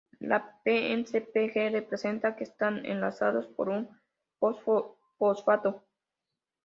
La "p" en CpG representa que están enlazados por un fosfato.